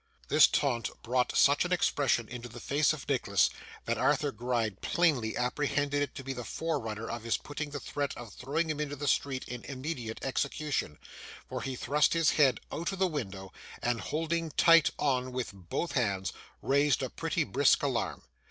This taunt brought such an expression into the face of Nicholas, that Arthur Gride plainly apprehended it to be the forerunner of his putting his threat of throwing him into the street in immediate execution; for he thrust his head out of the window, and holding tight on with both hands, raised a pretty brisk alarm.